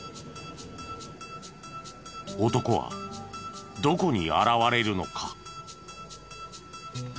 男はどこに現れるのか。